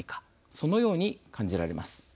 そのように感じられます。